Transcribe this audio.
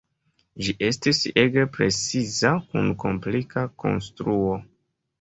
Ĝi estis ege preciza kun komplika konstruo.